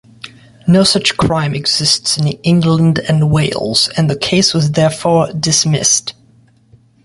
No such crime exists in England and Wales and the case was therefore dismissed.